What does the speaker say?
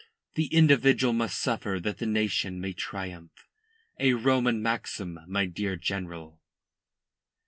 The individual must suffer that the nation may triumph. A Roman maxim, my dear General."